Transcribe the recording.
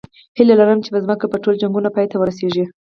هیله لرم چې په ځمکه به ټول جنګونه پای ته ورسېږي